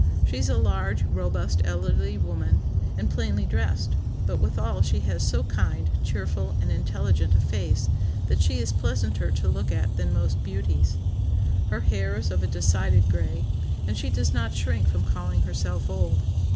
She is a large, robust, elderly woman, and plainly dressed; but withal she has so kind, cheerful, and intelligent a face, that she is pleasanter to look at than most beauties. Her hair is of a decided gray, and she does not shrink from calling herself old.